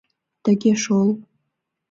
Тыге шол...